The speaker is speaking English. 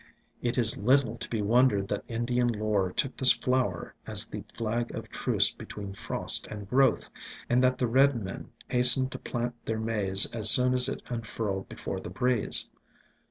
It is little to be wondered that Indian lore took this flower as the flag of truce between frost and growth, and that the Red Men hastened to plant their maize as soon as it unfurled before the breeze.